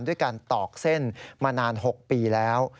ด้วยการตอกเส้นมานาน๖ปีแล้ว